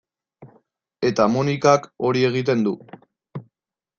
Eta Monikak hori egiten du.